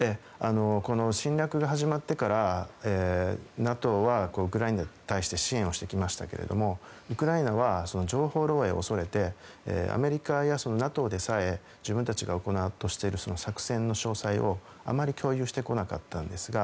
侵略が始まってからＮＡＴＯはウクライナに対して支援をしてきましたがウクライナは、情報漏洩を恐れてアメリカやＮＡＴＯでさえ自分たちが行おうとしている作戦の詳細をあまり共有してこなかったんですが。